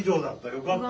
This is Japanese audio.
よかった。